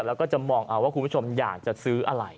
แล้วก็จะมองเอาว่าคุณผู้ชมอยากจะซื้ออะไร